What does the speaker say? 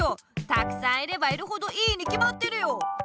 たくさんいればいるほどいいにきまってるよ！